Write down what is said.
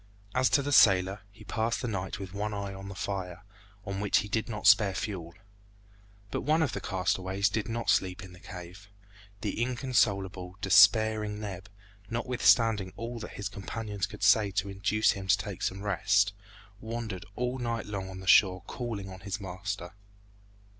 As to the sailor, he passed the night with one eye on the fire, on which he did not spare fuel. But one of the castaways did not sleep in the cave. The inconsolable, despairing Neb, notwithstanding all that his companions could say to induce him to take some rest, wandered all night long on the shore calling on his master.